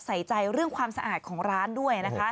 ใส่ใจเรื่องความสะอาดของร้านด้วยนะคะ